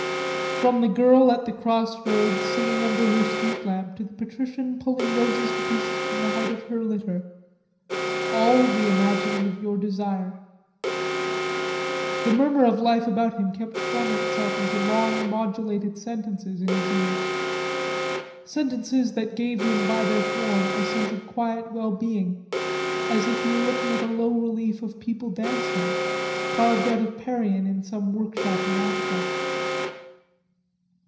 "From the girl at the cross roads singing under her street lamp to the patrician pulling roses to pieces from the height of her litter... all the imagining of your desire...." The murmur of life about him kept forming itself into long modulated sentences in his ears, sentences that gave him by their form a sense of quiet well being as if he were looking at a low relief of people dancing, carved out of Parian in some workshop in Attica.